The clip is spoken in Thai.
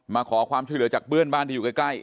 มาขอความช่วยเหลือจากเพื่อนบ้านที่อยู่ใกล้